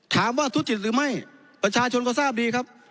ทุจิตหรือไม่ประชาชนก็ทราบดีครับ